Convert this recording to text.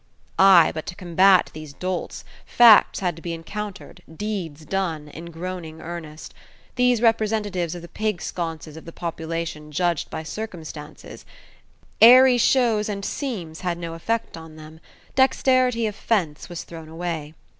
Ay, but to combat these dolts, facts had to be encountered, deeds done, in groaning earnest. These representatives of the pig sconces of the population judged by circumstances: airy shows and seems had no effect on them. Dexterity of fence was thrown away.